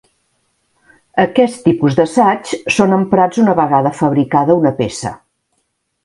Aquest tipus d'assaigs són emprats una vegada fabricada una peça.